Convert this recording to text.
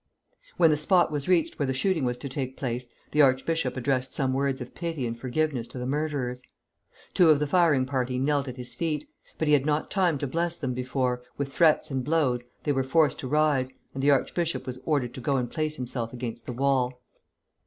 When the spot was reached where the shooting was to take place, the archbishop addressed some words of pity and forgiveness to the murderers. Two of the firing party knelt at his feet; but he had not time to bless them before, with threats and blows, they were forced to rise, and the archbishop was ordered to go and place himself against the wall.